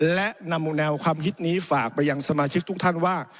และนำแนวความคิดนี้ฝากไปยังสมาชิกทุกท่านว่า